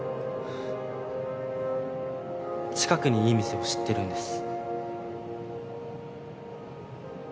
近くにいい店を知ってるんです。